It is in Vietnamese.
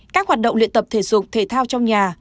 các hoạt động luyện tập thể dục thể thao trong nhà